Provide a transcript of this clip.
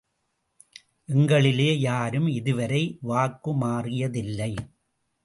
எங்களிலே யாரும் இதுவரை வாக்குமாறியதில்லை.